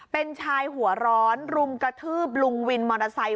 เป็นชายหัวร้อนรุมกระทืบลุงวินมอเตอร์ไซค